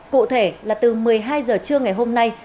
cụ thể là từ một mươi hai h trưa ngày hôm nay